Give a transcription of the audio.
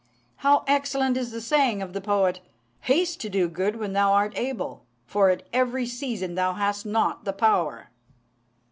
How excellent is the saying of the poet "'Haste to do good when thou art able; for at every season thou hast not the power.'"